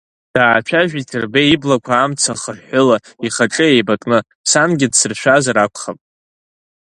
Даацәажәеит Ҭырбеи иблақәа амца хыҳәҳәыла, ихаҿы еибакны, сангьы дсыршәазар акәхап…